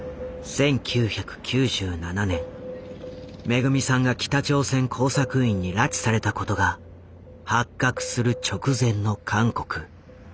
めぐみさんが北朝鮮工作員に拉致されたことが発覚する直前の韓国。